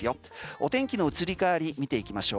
お天気の移り変わり見ていきましょう。